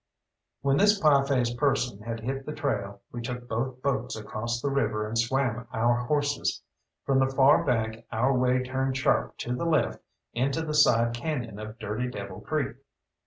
When this Pieface person had hit the trail, we took both boats across the river and swam our horses. From the far bank our way turned sharp to the left into the side Cañon of Dirty Devil Creek.